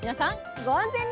ご安全に。